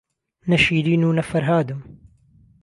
نە شیرین و نە فەرهادم